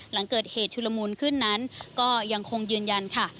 หลังเกิดเหตุชุลมูลขึ้นนั้นก็ยังคงยืนยันค่ะ